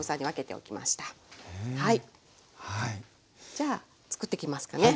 じゃあ作っていきますかね。